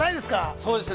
◆そうですね。